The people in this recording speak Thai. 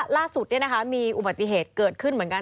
ล่าสุดมีอุบัติเหตุเกิดขึ้นเหมือนกัน